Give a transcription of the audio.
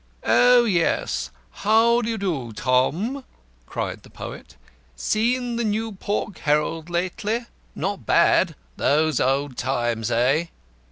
"Oh, yes; how do you do, Tom?" cried the Poet. "Seen the New Pork Herald lately? Not bad, those old times, eh?"